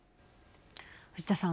藤田さん。